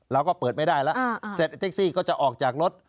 เราก็เปิดไม่ได้แล้วเสร็จเท็กซี่ก็จะออกจากรถ